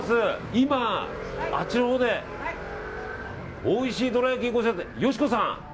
今、あっちのほうでおいしいどら焼きの佳子さん！